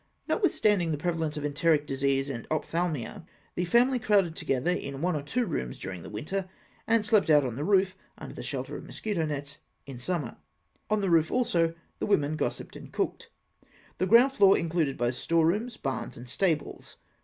8). Notwithstanding the prevalence of enteric disease and ophthalmia, the family crowded together into one or two rooms during the winter, and slept out on the roof under the shelter of mosquito nets in summer. On the roof also the women gossiped and cooked. The ground floor included both store rooms, barns, and stables.